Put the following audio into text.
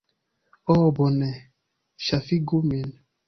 Oh bone! Ŝafigu min.